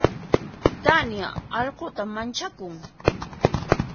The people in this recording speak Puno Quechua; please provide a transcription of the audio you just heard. Tania allquta manchakun.